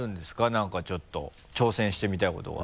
何かちょっと挑戦してみたいことが。